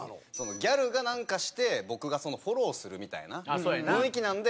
ギャルがなんかして僕がフォローするみたいな雰囲気なんで。